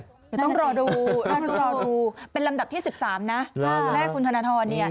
ต้องรอดูต้องรอดูเป็นลำดับที่๑๓นะแม่คุณธนาธรรมเนี่ย